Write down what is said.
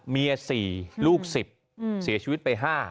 เมีย๔ลูก๑๐เสียชีวิตไป๕